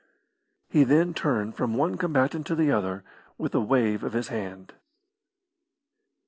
He then turned from one combatant to the other, with a wave of his hand.